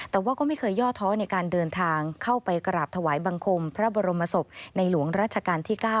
แต่ว่าก็ไม่เคยย่อท้อในการเดินทางเข้าไปกราบถวายบังคมพระบรมศพในหลวงราชการที่๙